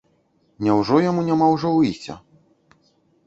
Няўжо яму няма ўжо выйсця?